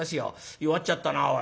「弱っちゃったなおい。